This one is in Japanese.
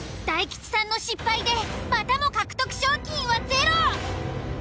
大吉さんの失敗でまたも獲得賞金はゼロ。